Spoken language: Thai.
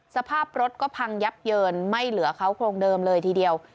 สภาพรถก็พังยับเยินไม่เหลือเขาโครงเดิมเลยทีเดียว